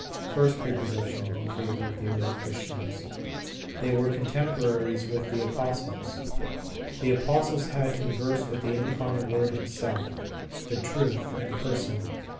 First prepossession in favor of the early Christians: They were contemporary with 35 36 The Sign of the Cross the apostles. The apostles had conversed with the Incarnate Word Himself, the Truth in person.